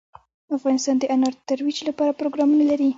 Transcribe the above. افغانستان د انار د ترویج لپاره پروګرامونه لري.